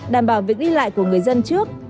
đảm bảo việc đi lại của người dân trước